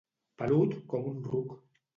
Pelut com un ruc.